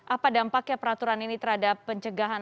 apa dampaknya peraturan ini terhadap pencegahan